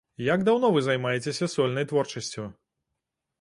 Як даўно вы займаецеся сольнай творчасцю?